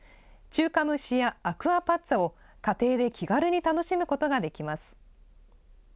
中華蒸しやアクアパッツァを、家庭で気軽に楽しむことができます。